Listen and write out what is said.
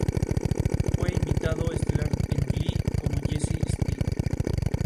Fue invitado estelar en "Glee" como Jesse St.